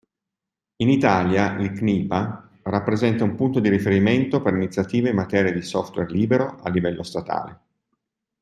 In Italia il CNIPA rappresenta un punto di riferimento per le iniziative in materia di software libero a livello statale.